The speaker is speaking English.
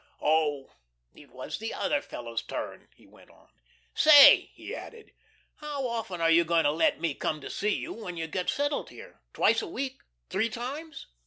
"Oh, it was the Other Fellow's turn," he went on. "Say," he added, "how often are you going to let me come to see you when you get settled here? Twice a week three times?"